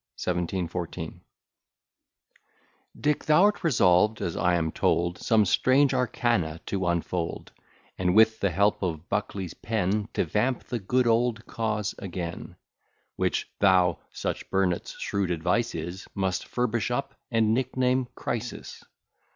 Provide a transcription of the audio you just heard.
1714 Dick, thou'rt resolved, as I am told, Some strange arcana to unfold, And with the help of Buckley's pen, To vamp the good old cause again: Which thou (such Burnet's shrewd advice is) Must furbish up, and nickname Crisis.